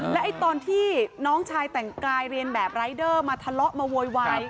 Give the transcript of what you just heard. และตอนที่น้องชายแต่งกายเรียนแบบรายเดอร์มาทะเลาะมาโวยวาย